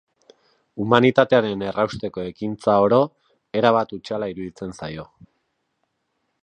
Humanitatearen errausteko ekintza oro erabat hutsala iruditzen zaio.